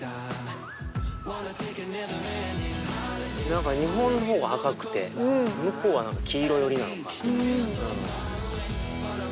何か日本のほうが赤くて向こうは黄色寄りなのかな。